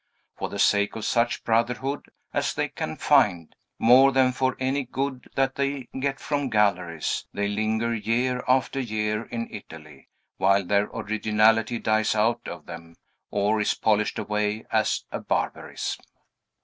For the sake of such brotherhood as they can find, more than for any good that they get from galleries, they linger year after year in Italy, while their originality dies out of them, or is polished away as a barbarism.